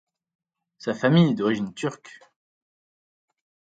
Sa famille est d'origine turque.